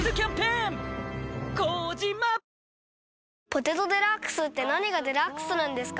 「ポテトデラックス」って何がデラックスなんですか？